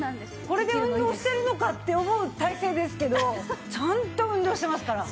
これで運動してるのかって思う体勢ですけどちゃんと運動してますから。